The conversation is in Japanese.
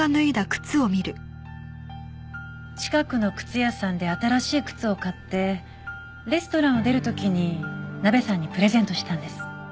近くの靴屋さんで新しい靴を買ってレストランを出る時にナベさんにプレゼントしたんです。